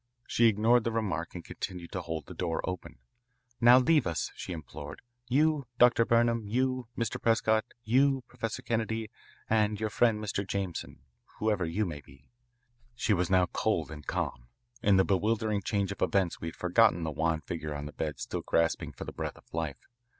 She ignored the remark and continued to hold the door open. "Now leave us," she implored, "you, Dr. Burnham, you, Mr. Prescott, you, Professor Kennedy, and your friend Mr. Jameson, whoever you may be." She was now cold and calm. In the bewildering change of events we had forgotten the wan figure on the bed still gasping for the breath of life.